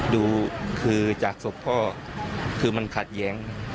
ดูคือจากศพพ่อคือมันขัดแย้ง